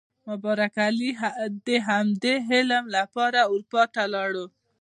مبارک علي د همدې علم لپاره اروپا ته لاړ.